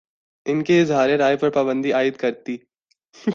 ان کے اظہارِ رائے پر پابندی عائدکرتی